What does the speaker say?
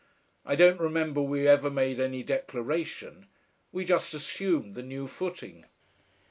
I don't remember we ever made any declaration. We just assumed the new footing....